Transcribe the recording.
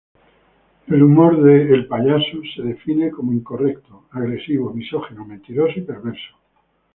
El humor de "El Payaso" se define como incorrecto, agresivo, misógino, mentiroso, perverso.